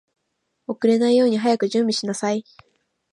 遅れないように早く準備しなさい